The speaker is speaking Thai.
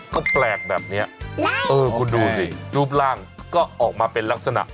ก็แปลกแบบนี้เออคุณดูสิรูปร่างก็ออกมาเป็นลักษณะ